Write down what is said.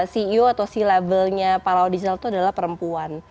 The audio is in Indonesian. ceo atau c levelnya pahlawan digital itu adalah perempuan